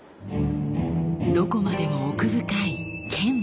どこまでも奥深い剣舞。